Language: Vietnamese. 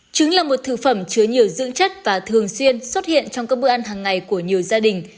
trứng là một thực phẩm chứa nhiều dưỡng chất và thường xuyên xuất hiện trong các bữa ăn hàng ngày của nhiều gia đình